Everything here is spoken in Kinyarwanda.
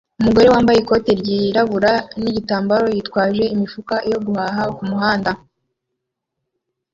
Umugore wambaye ikoti ryirabura nigitambara bitwaje imifuka yo guhaha kumuhanda